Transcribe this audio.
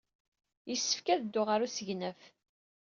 Yessefk ad dduɣ ɣer usegnaf.